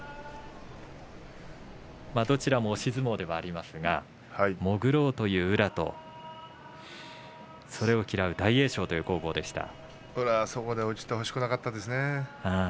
どちらも押し相撲ではありますが潜ろうという宇良とそれを嫌う大栄翔という攻防でした。